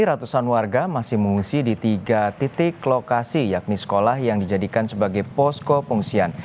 ratusan warga masih mengungsi di tiga titik lokasi yakni sekolah yang dijadikan sebagai posko pengungsian